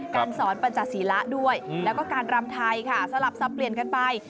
การสอนปัญจศีระด้วยแล้วก็การรำไทยค่ะสลับสับเปลี่ยนกันไป